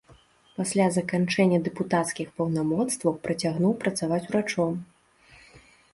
Пасля заканчэння дэпутацкіх паўнамоцтваў працягнуў працаваць урачом.